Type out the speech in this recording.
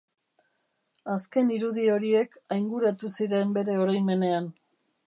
Azken irudi horiek ainguratu ziren bere oroimenean.